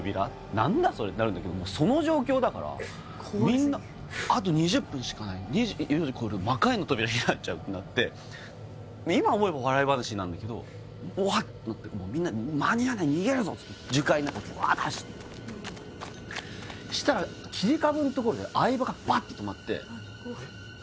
何だそれ？」ってなるんだけどその状況だからみんな怖すぎる「あと２０分しかない２４時こえると魔界への扉開いちゃう」となって今思えば笑い話なんだけど「おわっ！」ってなってみんな「間に合わない逃げるぞ」って樹海の中をワーッと走ってそしたら切り株の所で相葉がバッて止まって・えっ？